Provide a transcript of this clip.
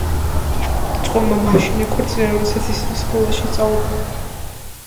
წყვილმა მაშინ იქორწინა, როდესაც ისინი სკოლაში სწავლობდნენ.